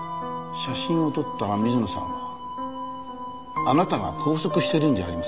写真を撮った水野さんはあなたが拘束してるんじゃありませんか？